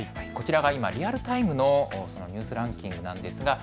こちらが今、リアルタイムのニュースランキングです。